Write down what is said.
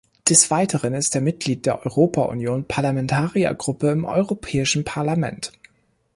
Des Weiteren ist er Mitglied der Europa-Union Parlamentariergruppe im Europäischen Parlament.